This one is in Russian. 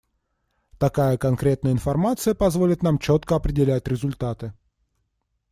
Такая конкретная информации позволит нам четко определять результаты.